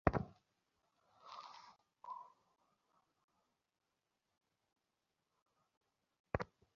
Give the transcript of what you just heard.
তিনি স্থানীয় মসজিদের ইমামের নিকট ‘রাহে নাজাত’ কিতাবটি পড়তেন।